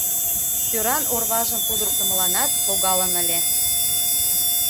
Тӧран орважым пудыртымыланат логалын ыле.